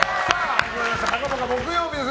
始まりました「ぽかぽか」木曜日です。